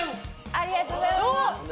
ありがとうございます。